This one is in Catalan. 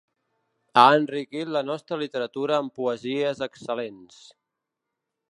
Ha enriquit la nostra literatura amb poesies excel·lents.